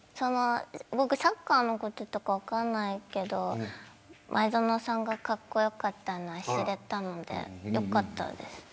僕、サッカーのこととか分かんないけど前園さんがかっこよかったのは知れたのでよかったです。